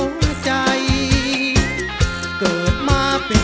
มือเงี้ยง